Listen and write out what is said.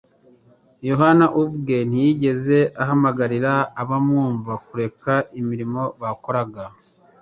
Yohana ubwe ntiyigeze ahamagarira abamwumva kureka imirimo bakoraga.